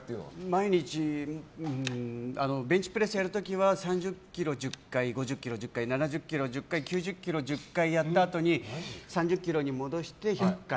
毎日ベンチプレスやる時は３０ｋｇ１０回、５０ｋｇ１０回７０ｋｇ１０回９０ｋｇ１０回やったあとに３０ｋｇに戻して１００回。